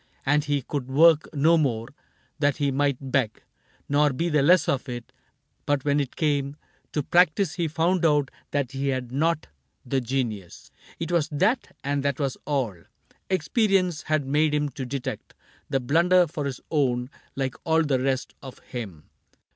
And he could work no more, that he might beg Nor be the less for it ; but when it came To practice he found out that he had not The genius. It was that, and that was all : Experience had made him to detect The blunder for his own, like all the rest Of him.